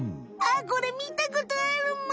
あっこれみたことあるむ！